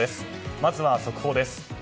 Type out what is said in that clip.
まずは速報です。